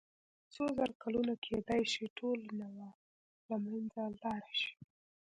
څو زره کلونه کېدای شي ټوله نوعه له منځه لاړه شي.